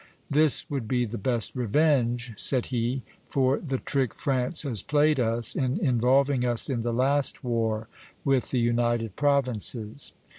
'This would be the best revenge,' said he, 'for the trick France has played us in involving us in the last war with the United Provinces.'"